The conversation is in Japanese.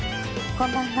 こんばんは。